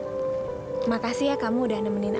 hanya nanti kamu bisa menemui